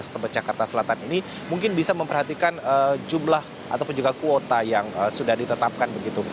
tebet jakarta selatan ini mungkin bisa memperhatikan jumlah ataupun juga kuota yang sudah ditetapkan begitu